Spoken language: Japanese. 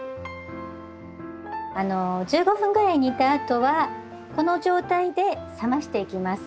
１５分ぐらい煮たあとはこの状態で冷ましていきます。